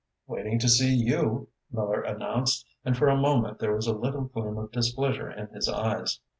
"Waiting to see you," Miller announced, and for a moment there was a little gleam of displeasure in his eyes.